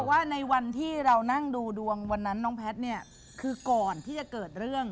ว่าในวันที่เรานั่งดูดวงวันนั้นน้องแพทย์เนี่ยคือก่อนที่จะเกิดเรื่อง